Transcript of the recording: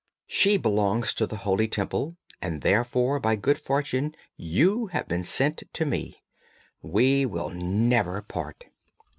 She belongs to the holy Temple, and therefore by good fortune you have been sent to me; we will never part!'